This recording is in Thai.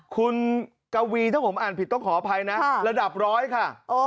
คุณกวีถ้าผมอ่านผิดต้องขออภัยนะระดับร้อยค่ะ